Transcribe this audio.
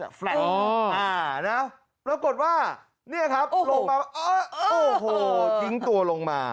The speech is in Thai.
อ่านะแล้วกดว่านี่แหละครับโอ้โหโอ้โหยิงตัวลงมา